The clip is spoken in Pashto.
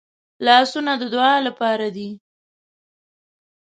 لاسونه د دعا لپاره دي